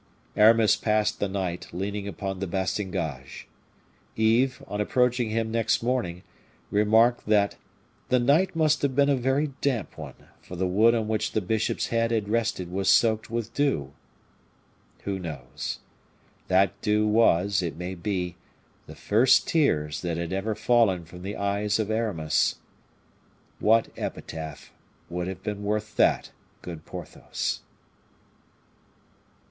Aramis passed the night leaning upon the bastingage. Yves, on approaching him next morning, remarked that "the night must have been a very damp one, for the wood on which the bishop's head had rested was soaked with dew." Who knows? that dew was, it may be, the first tears that had ever fallen from the eyes of Aramis! What epitaph would have been worth that, good Porthos?